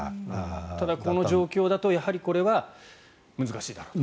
ただこの状況だとこれは難しいだろうと。